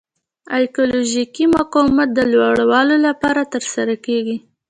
ایکالوژیکي مقاومت د لوړلولو لپاره ترسره کیږي.